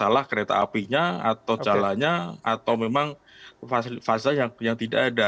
salah kereta apinya atau jalannya atau memang fase yang tidak ada